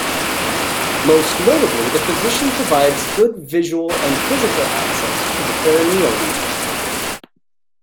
Most notably the position provides good visual and physical access to the perineal region.